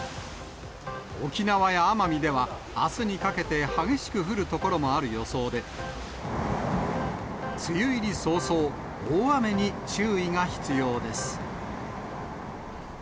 沖縄や奄美では、あすにかけて激しく降る所もある予想で、梅雨入り早々、大雨に注意が必要です。